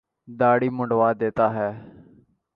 داڑھی منڈوا دیتا ہے۔